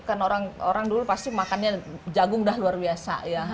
karena orang dulu pasti makannya jagung dah luar biasa ya